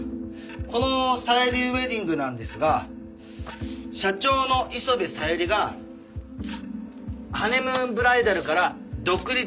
このさゆりウェディングなんですが社長の磯部小百合がハネムーンブライダルから独立して作った会社です。